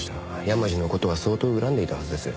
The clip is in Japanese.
山路の事は相当恨んでいたはずです。